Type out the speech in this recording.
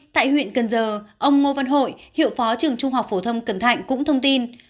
tại huyện cần giờ ông ngô văn hội hiệu phó trường trung học phổ thông cần thạnh cũng thông tin